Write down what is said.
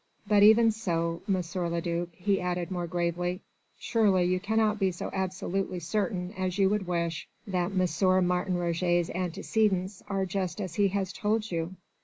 "But even so, M. le duc," he added more gravely, "surely you cannot be so absolutely certain as you would wish that M. Martin Roget's antecedents are just as he has told you.